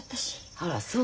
あらそう。